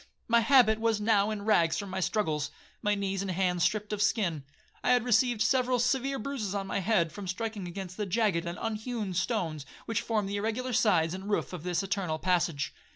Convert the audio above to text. My habit was now in rags from my struggles, my knees and hands stript of skin. I had received several severe bruises on my head, from striking against the jagged and unhewn stones which formed the irregular sides and roof of this eternal passage.